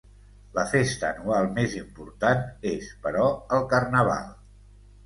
La festa anual més important és, però, el carnaval.